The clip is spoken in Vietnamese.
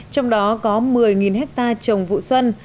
trong đó có một mươi ha trồng vụ xuân